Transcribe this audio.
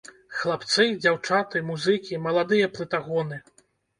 Хлапцы, дзяўчаты, музыкі, маладыя плытагоны.